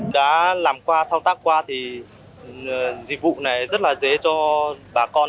đã làm qua thao tác qua thì dịch vụ này rất là dễ cho bà con